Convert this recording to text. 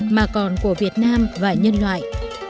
mà còn của việt nam và nhân loại